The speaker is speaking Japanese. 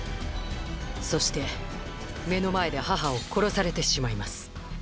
そして目の前で母を殺されてしまいます